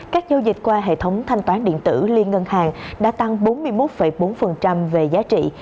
các giao dịch qua hệ thống thanh toán điện tử liên ngân hàng đã tăng bốn mươi một bốn về giá trị